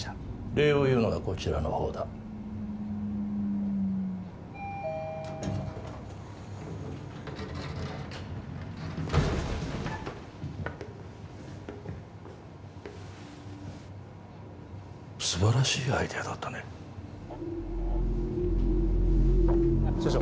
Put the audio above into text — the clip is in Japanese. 礼を言うのはこちらのほうだ素晴らしいアイデアだったね社長